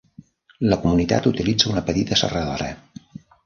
La comunitat utilitza una petita serradora.